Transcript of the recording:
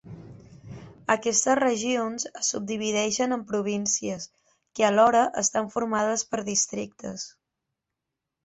Aquestes regions es subdivideixen en províncies, que alhora estan formades per districtes.